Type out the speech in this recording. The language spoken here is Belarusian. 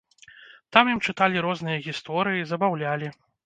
Там ім чыталі розныя гісторыі, забаўлялі.